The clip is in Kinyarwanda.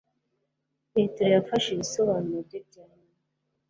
Petero yafashe ibisobanuro bye bya nyuma